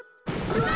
うわ！